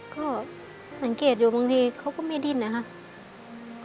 ก็สังเกตอยู่บางทีเขาก็ไม่ดิ้นนะครับ